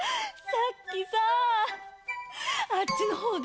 さっきさぁあっちのほうで。